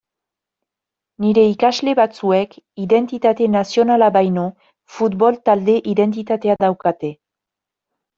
Nire ikasle batzuek identitate nazionala baino futbol-talde identitatea daukate.